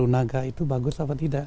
naga itu bagus apa tidak